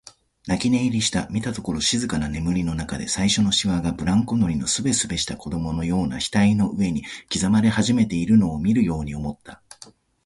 泣き寝入りした、見たところ静かな眠りのなかで、最初のしわがブランコ乗りのすべすべした子供のような額の上に刻まれ始めているのを見るように思った。